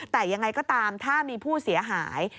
แต่ยังไงก็ตามถ้ามีผู้เสียหาย